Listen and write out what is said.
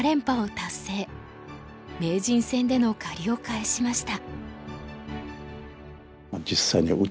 名人戦での借りを返しました。